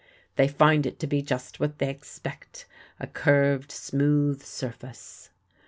They find it to be just what they expect a curved, smooth surface.